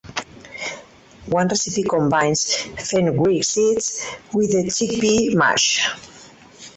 One recipe combines fenugreek seeds with the chickpea mash.